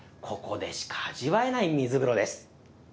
ここでしか味わえない水風呂です。